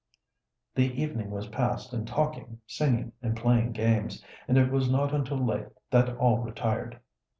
The evening was passed in talking, singing, and playing games, and it was not until late that all retired.